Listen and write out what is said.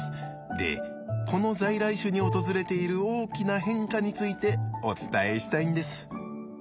でこの在来種に訪れている大きな変化についてお伝えしたいんです。